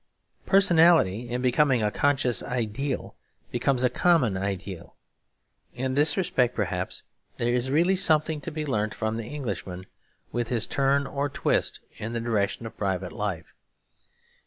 Personality, in becoming a conscious ideal, becomes a common ideal. In this respect perhaps there is really something to be learnt from the Englishman with his turn or twist in the direction of private life.